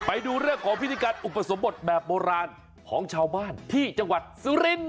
ไปดูเรื่องของพิธีการอุปสมบทแบบโบราณของชาวบ้านที่จังหวัดสุรินทร์